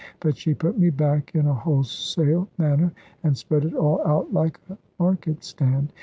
But she put me back in a wholesale manner, and spread it all out like a market stand.